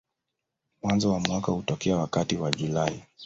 Mwanzo wa mwaka hutokea wakati wa Julai.